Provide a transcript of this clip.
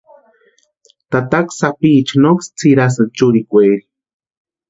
Tataka sápicha noksï tsʼirasïnti churikweeri.